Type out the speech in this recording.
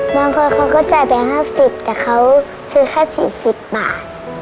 บางคนเขาก็จ่ายไป๕๐แต่เขาซื้อแค่๔๐บาท